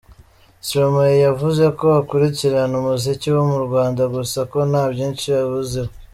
Stromae yavuze ko akurikirana umuziki wo mu Rwanda gusa ko nta byinshi awuziho.